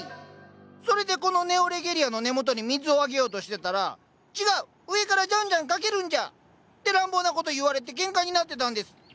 それでこのネオレゲリアの根元に水をあげようとしてたら「違う！上からじゃんじゃんかけるんじゃ！」って乱暴な事言われてケンカになってたんです。